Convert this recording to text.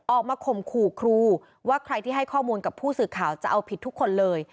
ข่มขู่ครูว่าใครที่ให้ข้อมูลกับผู้สื่อข่าวจะเอาผิดทุกคนเลย